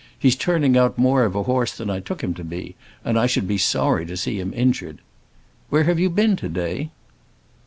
He's turning out more of a horse than I took him to be, and I should be sorry to see him injured. Where have you been to day?"